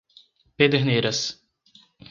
Pederneiras